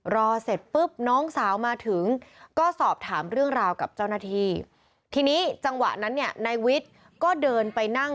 รอเสร็จปึ๊บน้องสาวมาถึง